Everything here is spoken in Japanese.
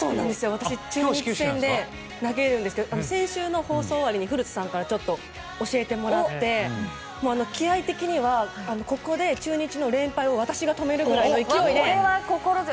私、中日戦で投げるんですけど先週の放送終わりに古田さんから教えてもらって気合的には、中日の連敗をここで私が止めるくらいで。